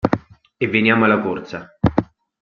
E veniamo alla corsa.